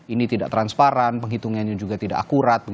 ini tidak transparan penghitungannya juga tidak akurat